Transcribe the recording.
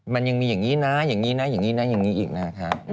มันยังมีอย่างนี้นะอย่างนี้นะอย่างนี้นะอย่างนี้อีกนะคะ